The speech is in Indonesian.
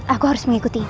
aku harus mengikutinya